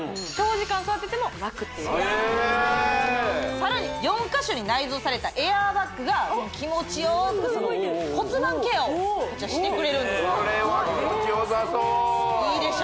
さらに４カ所に内蔵されたエアバッグが気持ちよく骨盤ケアをしてくれるんですこれは気持ちよさそういいでしょ